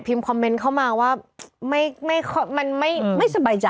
คอมเมนต์เข้ามาว่ามันไม่สบายใจ